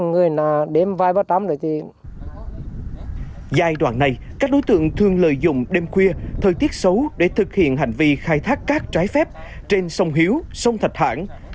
giai đoạn này các đối tượng thường lợi dụng đêm khuya thời tiết xấu để thực hiện hành vi khai thác cát trái phép trên sông hiếu sông thạch hãn